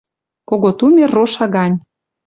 Кого тумер роша гань